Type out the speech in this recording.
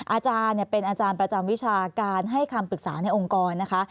อาจารย์เป็นอาจารย์ประจำวิชาการให้คำปรึกษาในองค์กรนะคะ